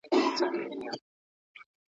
د وطن پر جګو غرو نو د اسیا د کور ښاغلی `